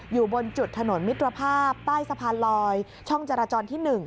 อยู่บนจุดถนนมิตรภาพใต้สะพานลอยช่องจราจรที่๑